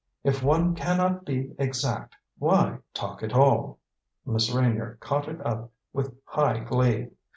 If one can not be exact, why talk at all?" Miss Reynier caught it up with high glee.